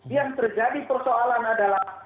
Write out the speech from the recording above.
yang terjadi persoalan adalah